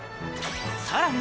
さらに